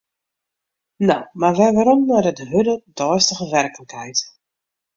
No mar wer werom nei de hurde deistige werklikheid.